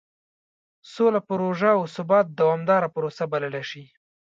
سوله پروژه او ثبات دومداره پروسه بللی شي.